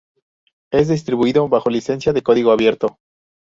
Es distribuido bajo licencia de código abierto.